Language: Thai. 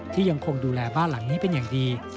ยังคงดูแลบ้านหลังนี้เป็นอย่างดี